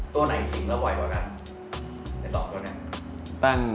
ตัวไหนสิงแล้วไหวกว่ากันจะตอบตัวไหน